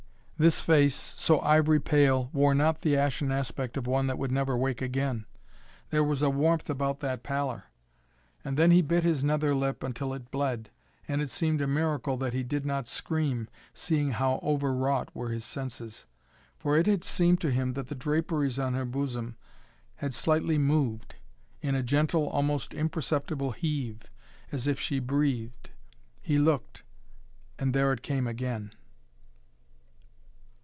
This face, so ivory pale, wore not the ashen aspect of one that would never wake again. There was a warmth about that pallor. And then he bit his nether lip until it bled, and it seemed a miracle that he did not scream, seeing how overwrought were his senses. For it had seemed to him that the draperies on her bosom had slightly moved, in a gentle, almost imperceptible heave, as if she breathed. He looked and there it came again!